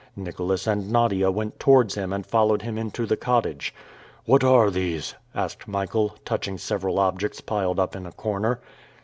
Nicholas and Nadia went towards him and followed him into the cottage. "What are these?" asked Michael, touching several objects piled up in a corner.